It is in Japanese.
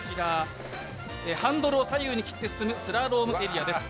ハンドルを左右にして進むスラロームエリアです。